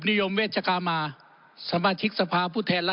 ครับครับครับครับครับครับครับครับครับครับครับครับครับครับ